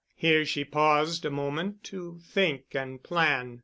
Here she paused a moment to think and plan.